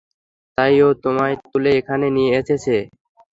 তাই ও তোমায় তুলে এখানে নিয়ে এসেছে।